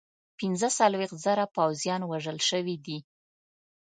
پنځه څلوېښت زره پوځیان وژل شوي دي.